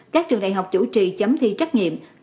các trường đại học chủ trì chấm thi trách nhiệm